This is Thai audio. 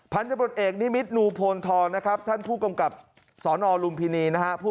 พันธบทเอกนิมิตนูโพนทองนะครับท่านผู้กำกับสนลุมพินีนะฮะ